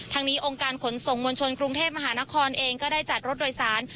ทางนี้องค์การขนส่งมวลชนกรุงเทพมหานครเองก็ได้จัดรถโดยสาร